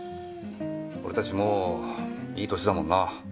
俺たちもういい歳だもんな。